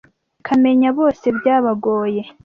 Ikamenya bose byabagoye,